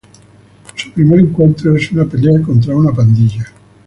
Su primer encuentro es una pelea contra una pandilla.